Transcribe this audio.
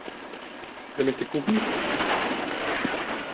Wer möchte Kuchen?